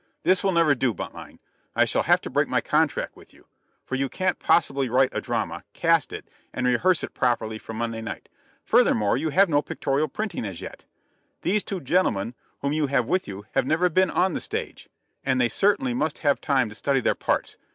This will never do, Buntline. I shall have to break my contract with you, for you can't possibly write a drama, cast it, and rehearse it properly for Monday night. Furthermore, you have no pictorial printing as yet. These two gentlemen, whom you have with you, have never been on the stage, and they certainly must have time to study their parts.